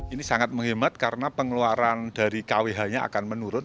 ini sangat menghemat karena pengeluaran dari kwh nya akan menurun